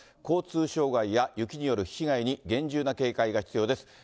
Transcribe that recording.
交通障害や雪による被害に厳重な警戒が必要です。